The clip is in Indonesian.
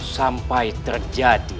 sampai kita tetap menemukan ini